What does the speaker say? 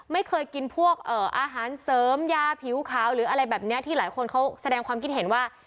ไม่เคยกินพวกอาหารเสริมยาผิวขาวหรืออะไรแบบนี้ที่หลายคนเขาแสดงความคิดเห็นว่า